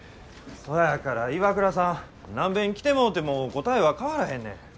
そやから岩倉さん何べん来てもうても答えは変わらへんねん。